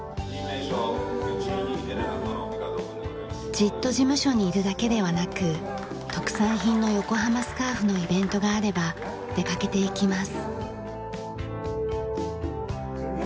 じっと事務所にいるだけではなく特産品の横浜スカーフのイベントがあれば出かけていきます。